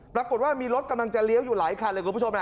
ปรากฏว่ามีรถกำลังจะเลี้ยวอยู่หลายคันเลยคุณผู้ชม